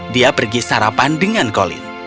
dia pergi sarapan dengan kolin